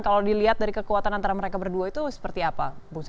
kalau dilihat dari kekuatan antara mereka berdua itu seperti apa